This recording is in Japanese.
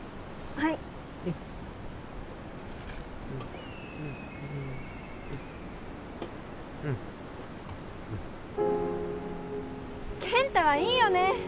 はいうんうん健太はいいよね